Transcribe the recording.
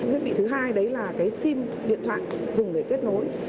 thiết bị thứ hai đấy là cái sim điện thoại dùng để kết nối